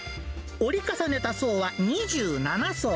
折り重ねた層は２７層。